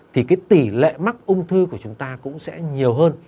thì cái tỷ lệ mắc ung thư của chúng ta cũng sẽ nhiều hơn